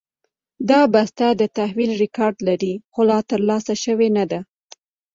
دا بسته د تحویل ریکارډ لري، خو لا ترلاسه شوې نه ده.